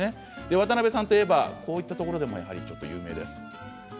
渡辺さんといえばこういうところでも有名です。